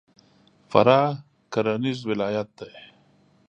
فراه کرهنیز ولایت دی.